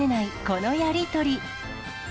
このやり取り。